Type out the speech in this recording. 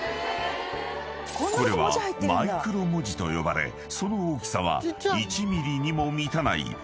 ［これはマイクロ文字と呼ばれその大きさは１ｍｍにも満たない］